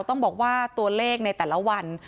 ต้องบอกว่าตัวเลขในแต่ละวัน